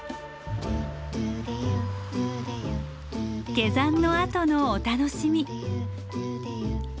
下山のあとのお楽しみ。